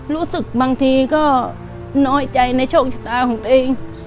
รู้สึกบางทีก็น้อยใจในโชคชะตาของตัวเอง